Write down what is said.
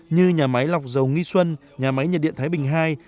như nhà máy lọc dầu nghi xuân nhà máy nhiệt điện thái bình ii